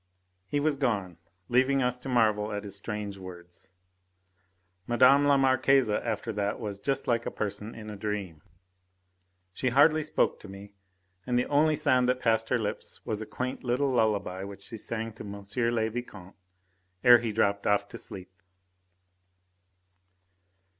He was gone, leaving us to marvel at his strange words. Mme. la Marquise after that was just like a person in a dream. She hardly spoke to me, and the only sound that passed her lips was a quaint little lullaby which she sang to M. le Vicomte ere he dropped off to sleep.